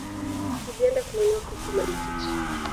Tulienda kununua kuku Marikiti